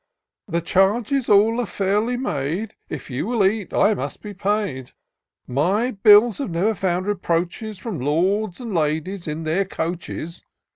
" The charges all are fairly made ; If you will eat, I must be paid. My bills have never found reproaches From lords and ladies, in their coaches.